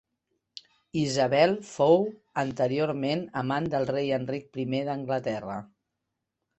Isabel fou anteriorment amant del rei Enric primer d'Anglaterra.